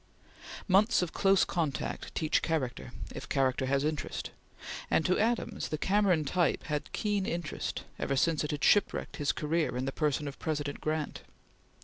Months of close contact teach character, if character has interest; and to Adams the Cameron type had keen interest, ever since it had shipwrecked his career in the person of President Grant.